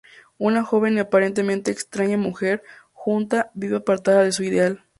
Una joven y aparentemente extraña mujer, Junta, vive apartada de su aldea.